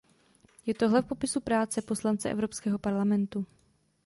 Je tohle v popisu práce poslance Evropského parlamentu?